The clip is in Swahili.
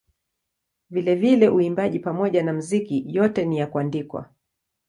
Vilevile uimbaji pamoja na muziki yote ni ya kuandikwa.